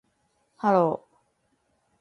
hello